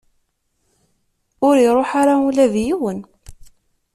Ur iruḥ ara ula d yiwen.